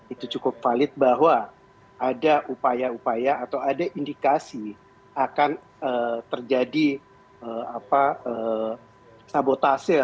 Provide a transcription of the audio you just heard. itu cukup valid bahwa ada upaya upaya atau ada indikasi akan terjadi sabotase